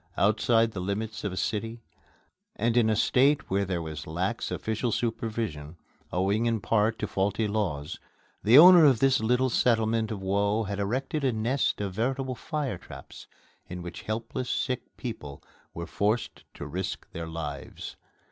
Outside the limits of a city and in a state where there was lax official supervision, owing in part to faulty laws, the owner of this little settlement of woe had erected a nest of veritable fire traps in which helpless sick people were forced to risk their lives.